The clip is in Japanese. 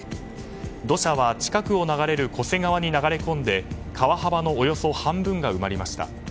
土砂は近くを流れる巨瀬川に流れ込んで川幅のおよそ半分が埋まりました。